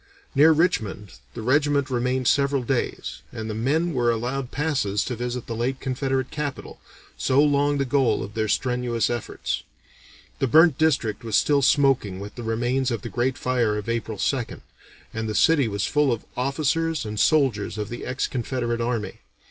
Near Richmond the regiment remained several days, and the men were allowed passes to visit the late Confederate capital, so long the goal of their strenuous efforts. "The burnt district was still smoking with the remains of the great fire of April 2nd, and the city was full of officers and soldiers of the ex Confederate army.